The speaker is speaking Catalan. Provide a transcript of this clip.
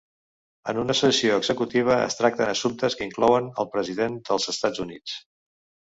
En una sessió executiva es tracten assumptes que inclouen al President dels Estats Units.